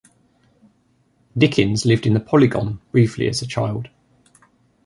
Dickens lived in the Polygon briefly as a child.